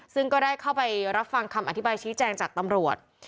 ซึ่งก็ได้เข้าไปรับฟังคำอธิบายชี้แจงจากตำรวจ